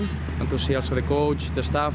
dan juga untuk melihat pemain dan staf